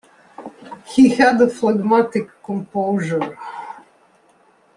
He had a phlegmatic composure.